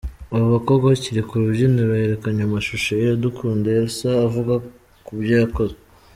Aba bakobwa bakiri ku rubyiniro herekanywe amashusho ya Iradukunda Elsa avuga kubyo yakoze.